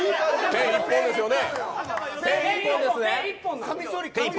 ペン１本ですよね。